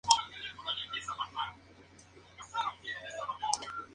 Se usa comúnmente como utensilio de cocina, y muy comúnmente en calentadores solares.